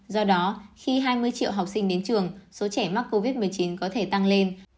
do đó khi hai mươi triệu học sinh đến trường số trẻ mắc covid một mươi chín có thể tăng lên